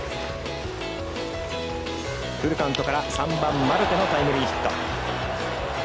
フルカウントから３番マルテのタイムリーヒット。